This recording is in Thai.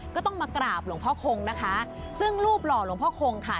ก็ต้องมากราบหลวงพ่อคงนะคะซึ่งรูปหล่อหลวงพ่อคงค่ะ